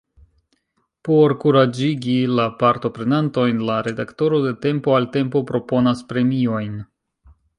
Por kuraĝigi la partoprenantojn, la redaktoro de tempo al tempo proponas premiojn.